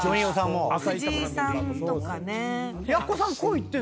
藤井さんとかね。奴さん。